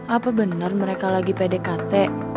apa benar mereka lagi pdkt